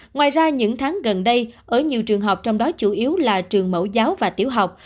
ngoài ra những tháng gần đây ở nhiều trường học trong đó chủ yếu là trường mẫu giáo và tiểu học